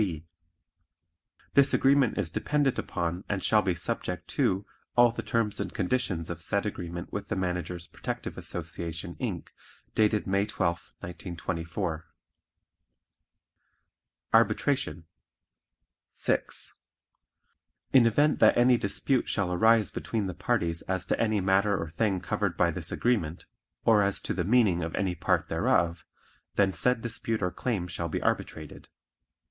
(b) This agreement is dependent upon and subject to all the terms and conditions of said agreement with the Managers' Protective Association, Inc., dated May 12, 1924. Arbitration 6. In event that any dispute shall arise between the parties as to any matter or thing covered by this agreement, or as to the meaning of any part thereof, then said dispute or claim shall be arbitrated.